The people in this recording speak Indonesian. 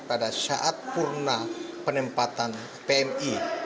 pada saat purna penempatan pmi